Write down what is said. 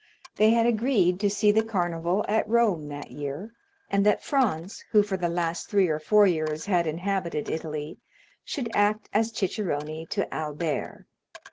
They had agreed to see the Carnival at Rome that year, and that Franz, who for the last three or four years had inhabited Italy, should act as cicerone to Albert.